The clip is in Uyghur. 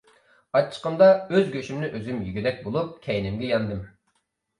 ئاچچىقىمدا ئۆز گۆشۈمنى ئۆزۈم يېگۈدەك بولۇپ، كەينىمگە ياندىم.